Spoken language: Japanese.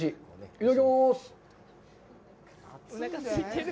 いただきます。